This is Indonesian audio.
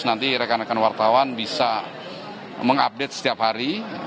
nanti rekan rekan wartawan bisa mengupdate setiap hari